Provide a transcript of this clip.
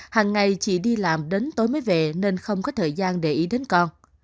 hàng ngày chị đi làm đến tối mới về nên không có thời gian để ý đến con